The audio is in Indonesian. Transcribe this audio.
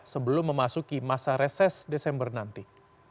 sebelum memasuki masa reses desember nanti